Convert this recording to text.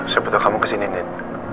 saya butuh kamu kesini nih